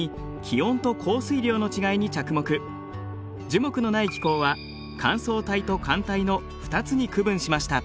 樹木のない気候は乾燥帯と寒帯の２つに区分しました。